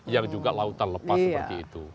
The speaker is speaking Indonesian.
yang juga lautan lepas seperti itu